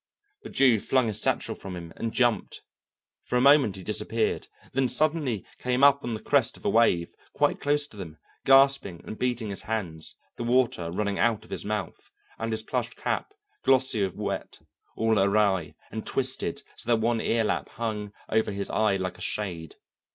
The Jew flung his satchel from him and jumped; for a moment he disappeared, then suddenly came up on the crest of a wave, quite close to them, gasping and beating his hands, the water running out of his mouth, and his plush cap, glossy with wet, all awry and twisted so that one ear lap hung over his eye like a shade.